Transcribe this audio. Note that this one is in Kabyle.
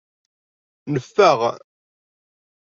Neffeɣ.